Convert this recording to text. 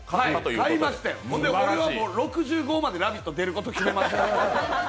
それで俺は６５まで「ラヴィット！」に出ることを決めましたよ。